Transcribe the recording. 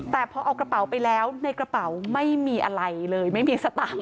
แต่พอเอากระเป๋าไปแล้วในกระเป๋าไม่มีอะไรเลยไม่มีสตางค